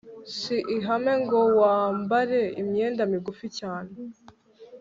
si ihame ngo yambare imyenda migufi cyane